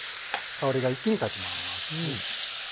香りが一気に立ちます。